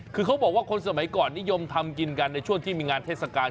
คือเขาบอกว่าคนสมัยก่อนนิยมทำกินกันในช่วงที่มีงานเทศกาล